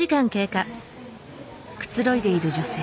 くつろいでいる女性。